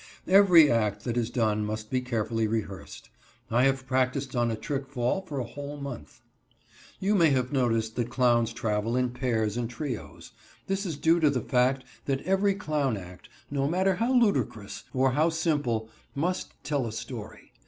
Every act that is done must be carefully rehearsed. I have practiced on a trick fall for a whole month. You may have noticed that clowns travel in pairs and trios. This is due to the fact that every clown act, no matter how ludicrous, or how simple, must tell a story.